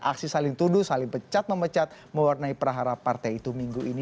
aksi saling tuduh saling pecat memecat mewarnai praharap partai itu minggu ini